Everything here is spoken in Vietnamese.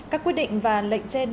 các quyết định và lệnh trên